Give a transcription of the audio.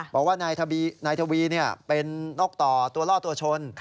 บอกว่านายทวีเป็นนกต่อตัวล่อตัวชน